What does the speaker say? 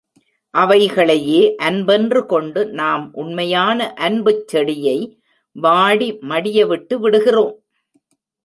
அவைகளையே அன்பென்று கொண்டு நாம் உண்மையான அன்புச் செடியை வாடி மடியவிட்டு விடுகிறோம்.